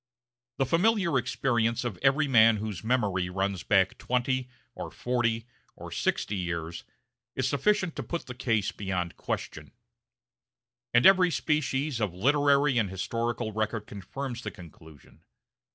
The familiar experience of every man whose memory runs back twenty, or forty, or sixty years, is sufficient to put the case beyond question; and every species of literary and historical record confirms the conclusion.